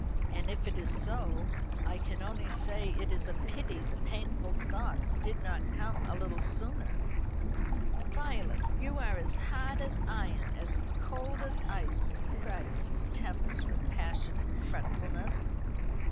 And if it is so I can only say it is a pity the painful thoughts did not come a little sooner." "Violet, you are as hard as iron, as cold as ice!" cried Mrs. Tempest, with passionate fretfulness.